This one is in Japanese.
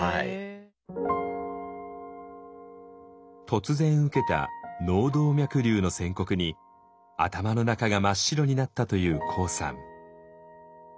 突然受けた「脳動脈瘤」の宣告に頭の中が真っ白になったというＫＯＯさん。